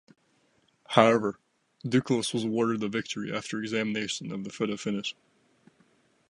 However, Duclos was awarded the victory after examination of the photo finish.